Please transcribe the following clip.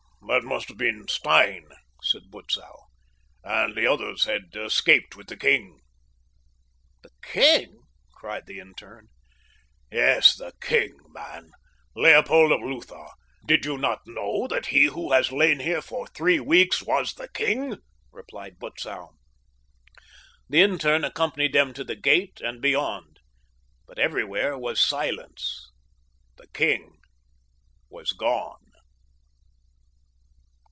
"That must have been Stein," said Butzow. "And the others had escaped with the king!" "The king?" cried the interne. "Yes, the king, man—Leopold of Lutha. Did you not know that he who has lain here for three weeks was the king?" replied Butzow. The interne accompanied them to the gate and beyond, but everywhere was silence. The king was gone.